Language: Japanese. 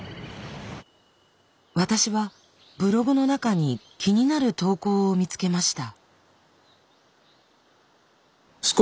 私はブログの中に気になる投稿を見つけました。